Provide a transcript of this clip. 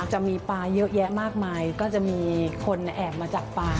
จะมีปลาเยอะแยะมากมายก็จะมีคนแอบมาจากปลา